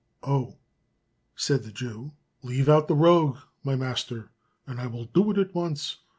"Oh!" said the Jew, "leave out the rogue, my master, and I will do it at once.